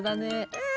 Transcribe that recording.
うん！